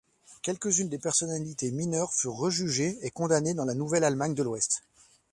Quelques-unes des personnalités mineures furent rejugées et condamnées dans la nouvelle Allemagne de l'Ouest.